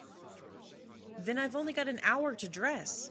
Then I've only got an hour to dress.